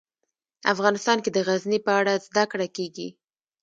افغانستان کې د غزني په اړه زده کړه کېږي.